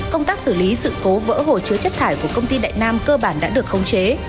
công tác xử lý sự cố vỡ hồ chứa chất thải của công ty đại nam cơ bản đã được khống chế